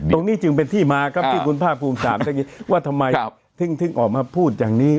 ตรงนี้จึงเป็นที่มาครับที่คุณพ่าภูมิสามว่าทำไมทิ้งออกมาพูดอย่างนี้